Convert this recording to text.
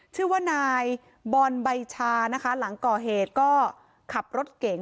ชื่อว่านายบอลใบชานะคะหลังก่อเหตุก็ขับรถเก่ง